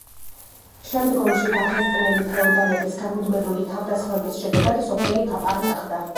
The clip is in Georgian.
შემდგომში დაღესტნელი ფეოდალების გამუდმებული თავდასხმების შედეგად სოფელი გაპარტახდა.